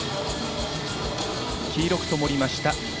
黄色く灯りました。